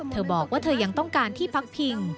เธอบอกว่าเธอยังต้องการที่พักพิง